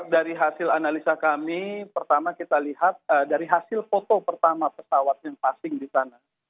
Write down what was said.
dari hasil analisa kami pertama kita lihat dari hasil foto pertama pesawat yang passing di sana